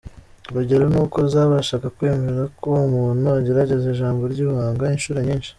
Urugero ni uko zabashaga kwemera ko umuntu agerageza ijambo ry’ibanga inshuro nyinshi.